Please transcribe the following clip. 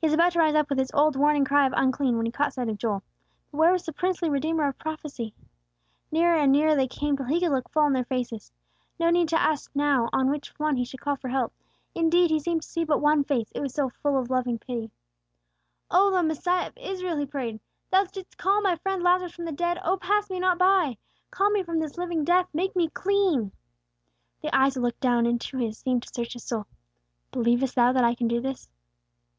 He was about to rise up with his old warning cry of unclean, when he caught sight of Joel. But where was the princely Redeemer of prophecy? Nearer and nearer they came, till he could look full in their faces. No need now to ask on which one he should call for help; indeed, he seemed to see but one face, it was so full of loving pity. "O Thou Messiah of Israel!" he prayed. "Thou didst call my friend Lazarus from the dead, O pass me not by! Call me from this living death! Make me clean!" The eyes that looked down into his seemed to search his soul. "Believest thou that I can do this?"